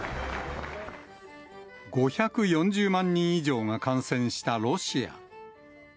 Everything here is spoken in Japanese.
５４０万人以上が感染したロシア。